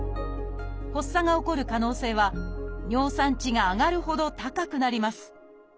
発作が起こる可能性は尿酸値が上がるほど高くなります